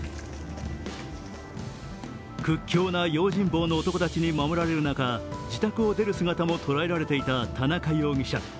屈強な用心棒の男たちに守られる中、自宅を出る姿も捉えられていた田中容疑者。